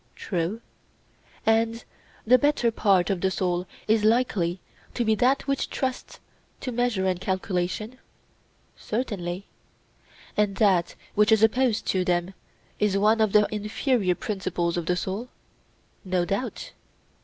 True. And the better part of the soul is likely to be that which trusts to measure and calculation? Certainly. And that which is opposed to them is one of the inferior principles of the soul? No doubt.